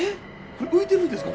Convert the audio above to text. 浮いてるんですか？